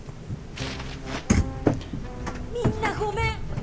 みんなごめん。